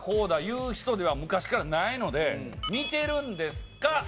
言う人では昔からないので見てるんですか？